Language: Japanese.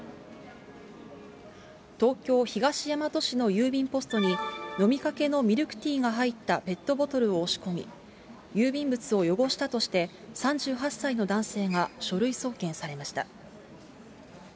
東京・東大和市の郵便ポストに、飲みかけのミルクティーが入ったペットボトルを押し込み、郵便物を汚したとして、３８歳の男性が書類送検されました。